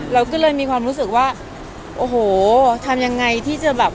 เราก็เลยมีความรู้สึกว่าโอ้โหทำยังไงที่จะแบบ